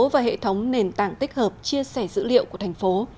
và hệ thống nền tảng tích hợp chia sẻ dữ liệu của thành phố